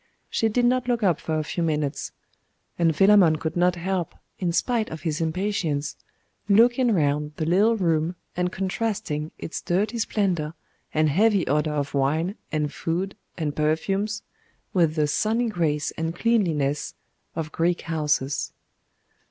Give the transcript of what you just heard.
She did not look up for a few minutes; and Philammon could not help, in spite of his impatience, looking round the little room and contrasting its dirty splendour, and heavy odour of wine, and food, and perfumes, with the sunny grace and cleanliness of Greek houses.